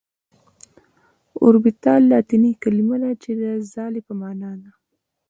اوربيتال لاتيني کليمه ده چي د ځالي په معنا ده .